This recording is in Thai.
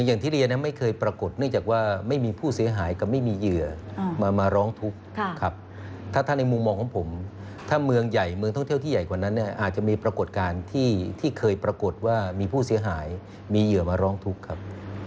อย่างที่เรียนนะไม่เคยปรากฏเนื่องจากว่าไม่มีผู้เสียหายกับไม่มีเหยื่อมาร้องทุกข์ครับถ้าในมุมมองของผมถ้าเมืองใหญ่เมืองท่องเที่ยวที่ใหญ่กว่านั้นเนี่ยอาจจะมีปรากฏการณ์ที่เคยปรากฏว่ามีผู้เสียหายมีเหยื่อมาร้องทุกข์ครับ